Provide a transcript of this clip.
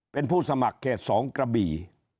เป็นผู้สมัครเขต๒กระบี่